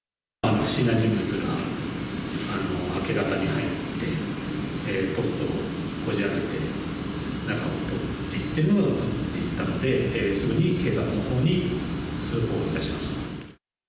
不審な人物が明け方に入って、ポストこじあけて、中をとっていっているのが写っていたので、すぐに警察のほうに通報いたしました。